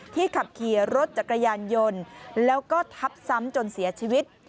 ขับขี่รถจักรยานยนต์แล้วก็ทับซ้ำจนเสียชีวิต